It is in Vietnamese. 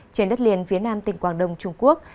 trên đất liền phía nam tỉnh quảng đông trung quốc